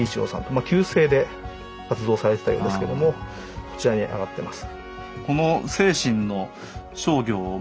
まあ旧姓で活動されてたようですけどもこちらにあがってます。